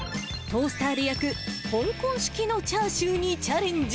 トースターで焼く、香港式のチャーシューにチャレンジ。